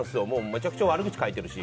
めちゃくちゃ悪口書いてるし